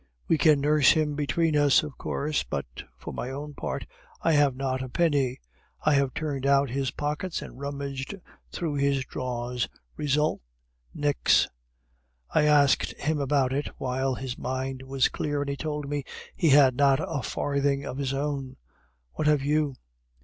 We can nurse him between us, of course, but, for my own part, I have not a penny. I have turned out his pockets, and rummaged through his drawers result, nix. I asked him about it while his mind was clear, and he told me he had not a farthing of his own. What have you?"